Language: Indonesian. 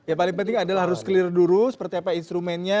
yang paling penting adalah harus clear dulu seperti apa instrumennya